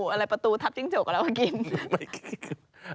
อะไรประตูทับจิ้งโจกก็แล้วก็กิน